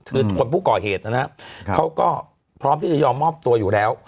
คือคนผู้ก่อเหตุนะครับเขาก็พร้อมที่จะยอมมอบตัวอยู่แล้ว